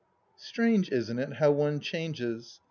Strange, isn't it, how one changes?